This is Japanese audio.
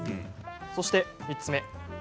そして３つ目です。